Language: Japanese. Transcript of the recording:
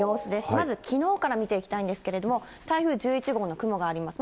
まずきのうから見ていきたいんですけれども、台風１１号の雲があります。